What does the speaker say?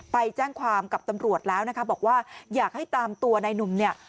ไปแจ้งความกับตำรวจแล้วนะคะบอกว่าอยากให้ตามตัวนายหนุ่มเนี่ย